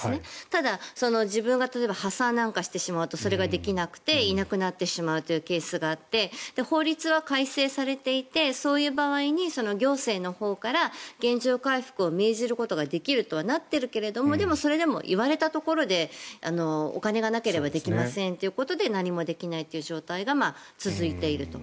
ただ、自分が例えば破産なんかをしてしまうとそれができなくていなくなってしまうというケースがあって法律は改正されていてそういう場合に行政のほうから原状回復を命じることはできるとなっているけれどもでもそれでも言われたところでお金がなければできませんということで何もできないという状態が続いていると。